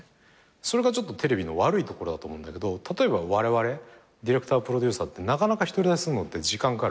それがちょっとテレビの悪いところだと思うんだけどたとえばわれわれディレクタープロデューサーってなかなか独り立ちするのって時間かかる。